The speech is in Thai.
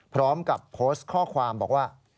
พร้อมกับโพสต์ข้อความบอกว่า